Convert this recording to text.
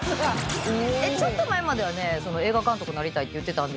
ちょっと前まではね映画監督なりたいって言ってたんですけど。